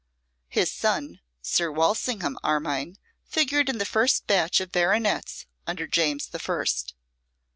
His son, Sir Walsingham Armine, figured in the first batch of baronets under James the First.